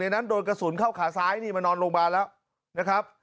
นั้นโดนกระสุนเข้าขาซ้ายนี่มานอนโรงพยาบาลแล้วนะครับ